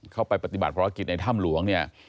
เข้าไปปฏิบัติภรรยากิจในถ้ำหลวง